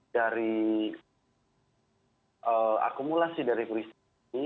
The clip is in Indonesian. dari akumulasi dari peristiwa ini